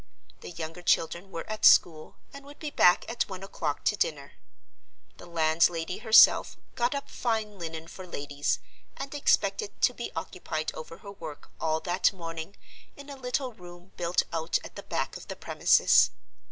The younger children were at school, and would be back at one o'clock to dinner. The landlady herself "got up fine linen for ladies," and expected to be occupied over her work all that morning in a little room built out at the back of the premises.